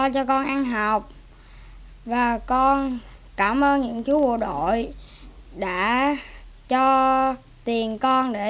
cho tiền con để đi học